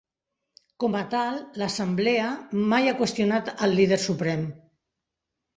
Com a tal, l'Assemblea mai ha qüestionat el Líder Suprem.